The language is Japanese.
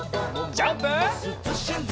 ジャンプ！